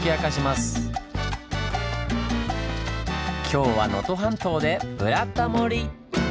今日は能登半島で「ブラタモリ」！